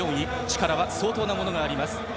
力は相当なものがあります。